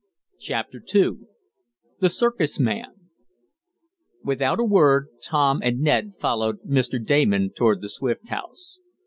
CHAPTER II THE CIRCUS MAN Without a word Tom and Ned followed Mr. Damon toward the Swift house.